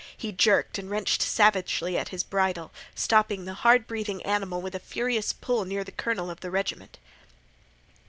He jerked and wrenched savagely at his bridle, stopping the hard breathing animal with a furious pull near the colonel of the regiment.